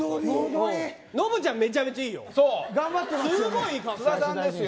ノブちゃん、めちゃめちゃいいよ。